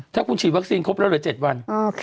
ถ้าคุณฉีดแว็กซินครบแล้วเดี๋ยว๗วัน